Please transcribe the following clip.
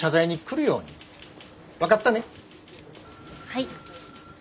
はい。